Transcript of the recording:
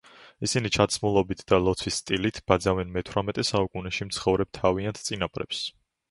ისინი ჩაცმულობით და ლოცვის სტილით ბაძავენ მეთვრამეტე საუკუნეში მცხოვრებ თავიანთ წინაპრებს.